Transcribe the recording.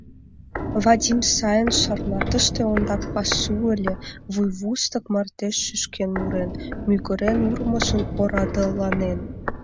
Вадим сайын шарна: тыште ондак пасу ыле, вуйвустык мардеж шӱшкен-мурен, мӱгырен-урмыжын орадыланен.